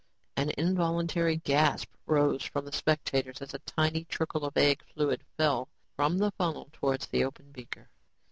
An involuntary gasp arose from the spectators as a tiny trickle of egg fluid fell from the funnel towards the open beaker.